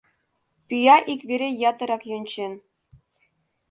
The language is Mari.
Пӱя ик вере ятырак йончен.